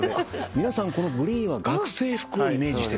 皆さんこのグリーンは学生服をイメージしてるんだ。